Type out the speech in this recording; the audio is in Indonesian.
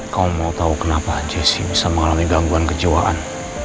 kau mau tau kenapa jessi bisa mengalami gangguan kejauhan